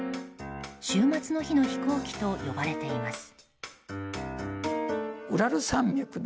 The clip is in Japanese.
終末の日の飛行機と呼ばれています。